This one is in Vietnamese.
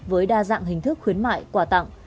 với đa dạng hình thức khuyến mại quả tặng